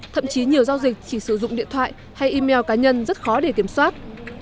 thậm chí nhiều giao dịch chỉ sử dụng điện thoại hay email cá nhân rất khó để kiểm soát